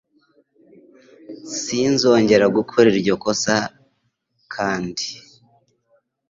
Sinzongera gukora iryo kosa kanndi.